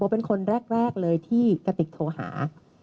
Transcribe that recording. เป็นคนแรกเลยที่กระติกโทรหา